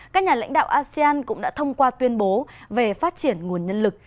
các nhà lãnh đạo asean cũng đã thông qua tuyên bố về phát triển nguồn nhân lực